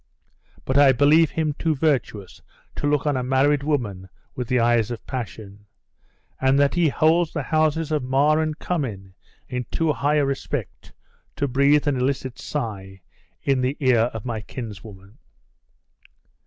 But I believe him too virtuous to look on a married woman with the eyes of passion; and that he holds the houses of Mar and Cummin in too high a respect to breathe an illicit sigh in the ear of my kinswoman."